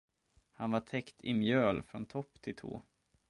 Han var täckt i mjöl från topp till tå.